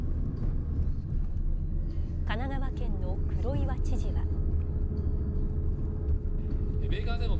神奈川県の黒岩知事は。